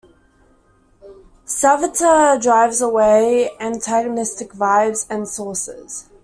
Savitr drives away antagonistic vibes and sorcerers.